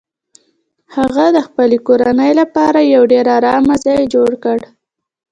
هغه د خپلې کورنۍ لپاره یو ډیر ارام ځای جوړ کړ